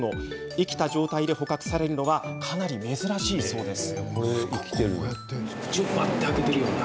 生きた状態で捕獲されるのはかなり珍しいそうです。